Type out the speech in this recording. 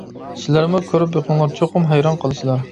سىلەرمۇ كۆرۈپ بېقىڭلار، چوقۇم ھەيران قالىسىلەر!